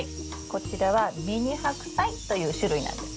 こちらはミニハクサイという種類なんです。